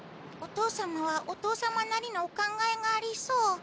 お父様はお父様なりのお考えがありそう。